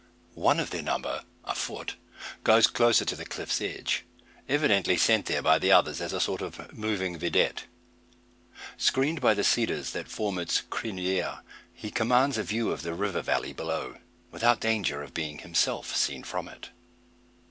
One of their number, afoot, goes closer to the cliff's edge, evidently sent there by the others as a sort of moving vidette. Screened by the cedars that form its criniere, he commands a view of the river valley below, without danger of being himself seen from it.